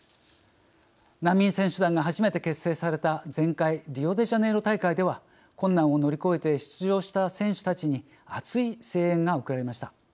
難民選手団が初めて結成された前回リオデジャネイロ大会では困難を乗り越えて出場した選手たちに熱い声援が送られました。